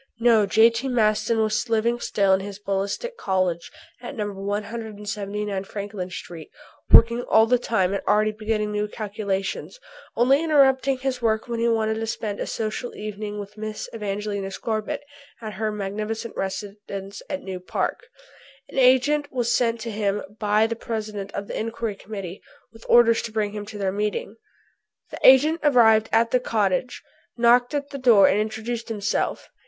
No. J.T. Maston was living still in his Ballistic Cottage, at No. 179 Franklin Street, working all the time and already beginning new calculations, only interrupting his work when he wanted to spend a social evening with Mrs. Evangelina Scorbitt at her magnificent residence at New Park. An agent was sent to him by the President of the Inquiry Committee with orders to bring him to their meeting. The agent arrived at the cottage, knocked at the door and introduced himself.